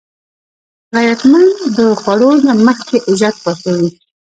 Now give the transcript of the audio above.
غیرتمند د خوړو نه مخکې عزت خوښوي